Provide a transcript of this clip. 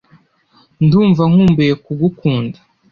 Ndumva nkumbuye kugukunda